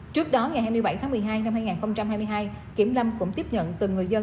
trước đó ngày hai mươi bảy tháng một mươi hai năm hai nghìn hai mươi hai kiểm lâm cũng tiếp nhận từng người dân